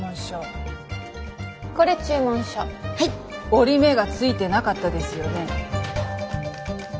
折り目がついてなかったですよね。